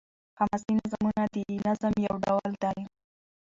حماسي نظمونه د نظم يو ډول دﺉ.